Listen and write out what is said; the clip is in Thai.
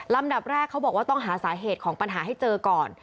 ดับแรกเขาบอกว่าต้องหาสาเหตุของปัญหาให้เจอก่อน